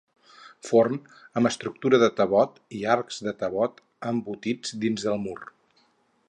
Forn amb estructura de tovot i arcs de tovot embeguts dins el mur.